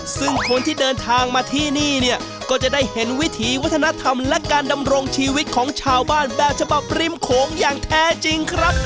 ซึ่งคนที่เดินทางมาที่นี่เนี่ยก็จะได้เห็นวิถีวัฒนธรรมและการดำรงชีวิตของชาวบ้านแบบฉบับริมโขงอย่างแท้จริงครับ